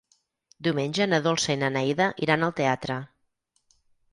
Diumenge na Dolça i na Neida iran al teatre.